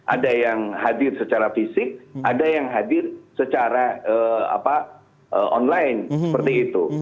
ada yang hadir secara fisik ada yang hadir secara online seperti itu